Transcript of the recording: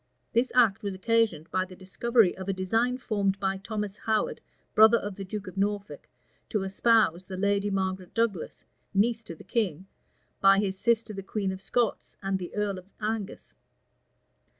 This act was occasioned by the discovery of a design formed by Thomas Howard, brother of the duke of Norfolk, to espouse the lady Margaret Douglas, niece to the king, by his sister the queen of Scots and the earl of Angus.